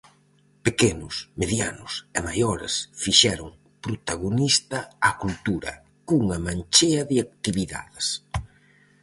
Pequenos, medianos e maiores fixeron protagonista á cultura, cunha manchea de actividades.